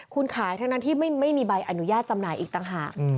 คุณขายทั้งนั้นที่ไม่มีใบอนุญาตจำหน่ายอีกต่างหาก